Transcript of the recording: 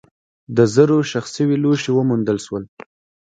د زرو ښخ شوي لوښي وموندل شول.